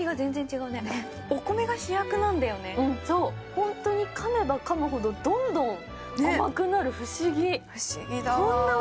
ホントに噛めば噛むほどどんどん甘くなる不思議・不思議だわ・